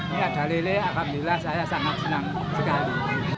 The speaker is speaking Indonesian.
ini ada lele alhamdulillah saya sangat senang sekali